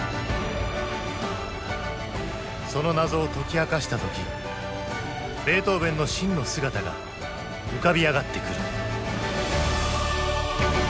その謎を解き明かした時ベートーヴェンの真の姿が浮かび上がってくる。